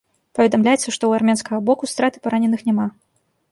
Паведамляецца, што ў армянскага боку страт і параненых няма.